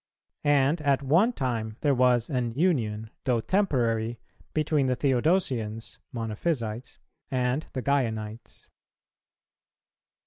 And at one time there was an union, though temporary, between the Theodosians (Monophysites) and the Gaianites.